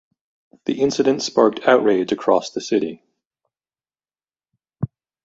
The incident sparked outrage across the city.